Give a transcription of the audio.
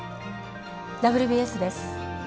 「ＷＢＳ」です。